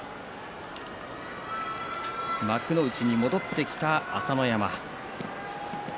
幕内に戻ってきた朝乃山。